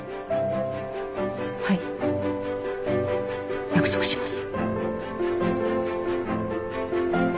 はい約束します。